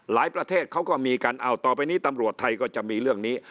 ประเทศเขาก็มีกันอ้าวต่อไปนี้ตำรวจไทยก็จะมีเรื่องนี้